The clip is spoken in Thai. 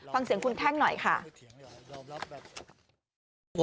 ฟังเสียงคุณแท่งหน่อยค่ะ